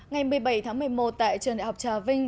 ngày một mươi bảy tháng một mươi một tại trường đại học trà vinh